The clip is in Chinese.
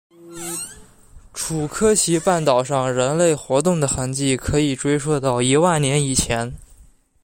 楚科奇半岛上人类活动的痕迹可以追溯到一万年以前。